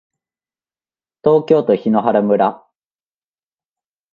東京都檜原村